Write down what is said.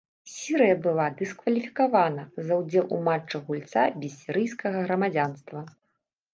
Сірыя была дыскваліфікавана за ўдзел у матчах гульца без сірыйскага грамадзянства.